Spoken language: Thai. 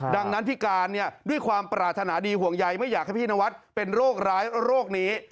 ดังนั้นพี่การด้วยความปรารถนาดีห่วงใยไม่อยากให้พี่นวัดเป็นโรคร้ายโรคนี้